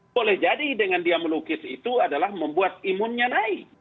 boleh jadi dengan dia melukis itu adalah membuat imunnya naik